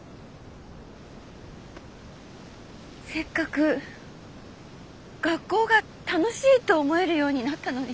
「せっかく学校が楽しいって思えるようになったのに」